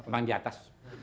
bang di atas